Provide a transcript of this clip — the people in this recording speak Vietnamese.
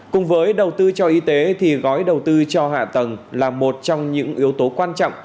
cùng với đầu tư cho y tế thì gói đầu tư cho hạ tầng là một trong những yếu tố quan trọng